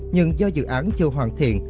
nhưng do dự án chưa hoàn thiện